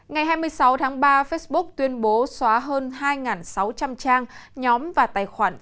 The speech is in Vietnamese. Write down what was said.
ngày hai mươi sáu tháng ba facebook tuyên bố xóa hơn hai sáu trăm linh trang nhóm và tài khoản